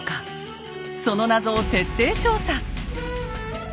その謎を徹底調査！